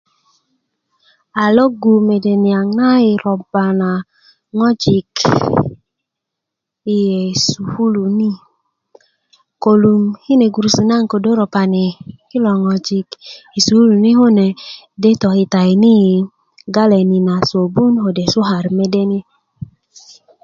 a lwogu mede niyaŋ na yi roba na ŋwajik yi sukulu ni kolum kine gurusu naŋ ködö ropani kilo ŋwajik yi sukulu ni kune de tokitayini' yi galeni na sobun a ko sukari mede ni